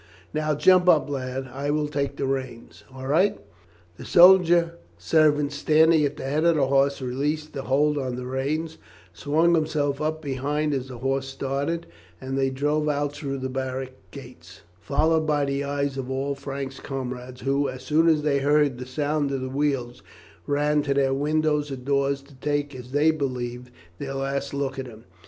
"Now jump up, lad; I will take the reins. All right." The soldier servant standing at the head of the horse released the hold of the reins, swung himself up behind as the horse started and they drove out through the barracks gates, followed by the eyes of all Frank's comrades who, as soon as they heard the sound of the wheels, ran to their windows or doors to take, as they believed, their last look at him.